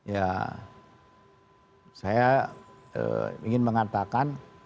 ya saya ingin mengatakan